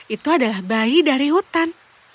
itu adalah bayi dari hutan